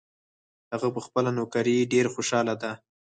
هغه په خپله نوکري ډېر خوشحاله ده